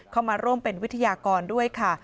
เข้ามาร่วมเป็นวิทยากรด้วยค่ะ